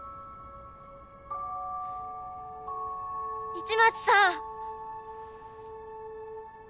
市松さん！